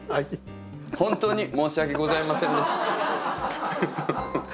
本当に申し訳ございませんでした。